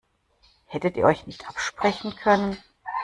Hättet ihr euch nicht absprechen können?